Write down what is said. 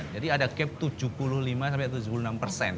jadi ada gap tujuh puluh lima tujuh puluh enam dari kebutuhan